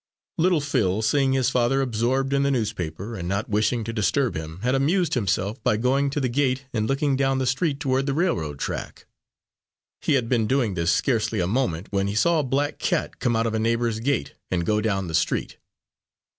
Little Phil, seeing his father absorbed in the newspaper, and not wishing to disturb him, had amused himself by going to the gate and looking down the street toward the railroad track. He had been doing this scarcely a moment, when he saw a black cat come out of a neighbour's gate and go down the street.